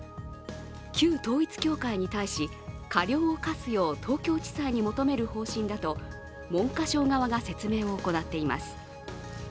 旧統一教会に対し、過料を科すよう東京地裁に求める方針だと文科省側が説明を行っています。